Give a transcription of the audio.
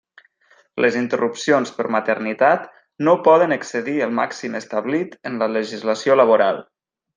Les interrupcions per maternitat no poden excedir el màxim establit en la legislació laboral.